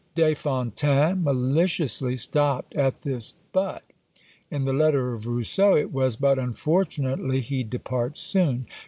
Des Fontaines maliciously stopped at this but. In the letter of Rousseau it was, "but unfortunately he departs soon."